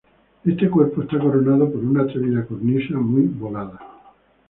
Este cuerpo está coronado por una atrevida cornisa muy volada.